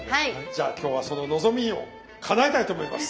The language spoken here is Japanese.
じゃあ今日はその望みをかなえたいと思います！